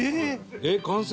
えっ完成？